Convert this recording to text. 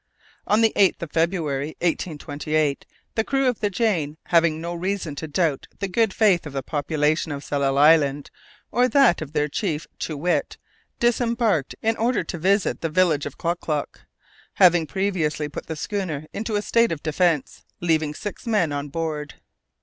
On the 8th of February, 1828, the crew of the Jane, having no reason to doubt the good faith of the population of Tsalal Island, or that of their chief, Too Wit, disembarked, in order to visit the village of Klock Klock, having previously put the schooner into a state of defence, leaving six men on board.